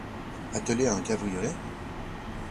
Attelé à un cabriolet?